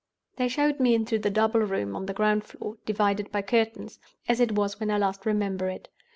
"They showed me into the double room on the ground floor, divided by curtains—as it was when I last remember it.